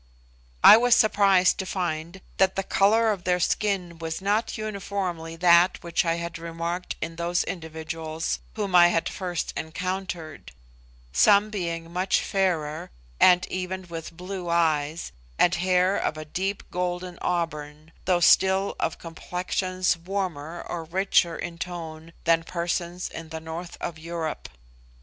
I was surprised to find that the colour of their skin was not uniformly that which I had remarked in those individuals whom I had first encountered, some being much fairer, and even with blue eyes, and hair of a deep golden auburn, though still of complexions warmer or richer in tone than persons in the north of Europe.